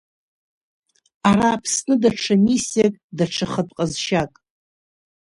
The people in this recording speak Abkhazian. Ара Аԥсны даҽа миссиак, даҽа хатә ҟазшьак.